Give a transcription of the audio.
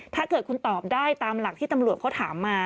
ถ้าเกิดคุณตอบได้ตามหลักที่ตำรวจเขาถามมา